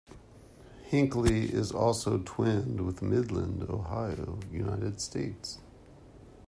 Hinckley is also twinned with Midland, Ohio, United States.